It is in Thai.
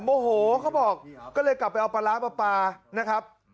โมโหเขาบอกก็เลยกลับไปเอาปลาร้าปลานะครับ